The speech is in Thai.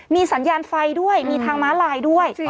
มีสัญญาณไฟด้วยมีทางม้าลายด้วย